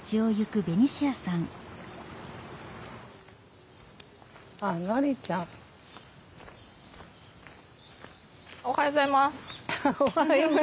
フフッおはようございます。